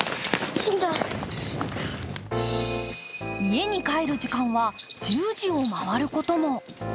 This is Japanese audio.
家に帰る時間は１０時を回ることも。